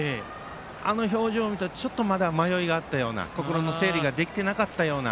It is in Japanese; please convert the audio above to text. あの表情を見てちょっとまだ迷いがあったような心の整理ができていなかったような